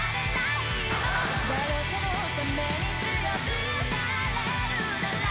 「誰かのために強くなれるなら」